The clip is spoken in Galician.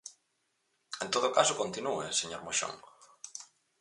En todo caso, continúe, señor Moxón.